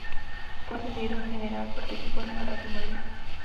Fue ascendido a general, participó en el ataque a Morelia.